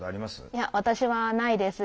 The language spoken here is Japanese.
いや私はないです。